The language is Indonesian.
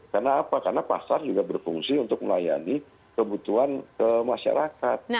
karena apa karena pasar juga berfungsi untuk melayani kebutuhan kemasyarakat